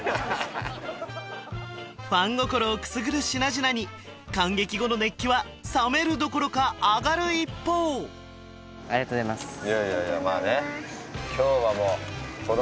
ファン心をくすぐる品々に観劇後の熱気は冷めるどころか上がる一方いやいやいやまあね